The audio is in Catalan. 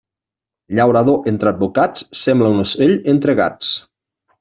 Llaurador entre advocats, sembla un ocell entre gats.